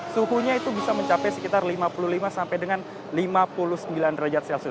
suhunya itu bisa mencapai sekitar lima puluh lima sampai dengan lima puluh sembilan derajat celcius